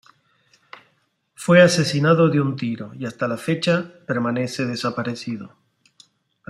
Fue asesinado de un tiro y hasta la fecha, permanece desaparecido.